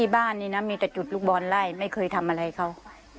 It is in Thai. บ้านนี้นะมีแต่จุดลูกบอลไล่ไม่เคยทำอะไรเขา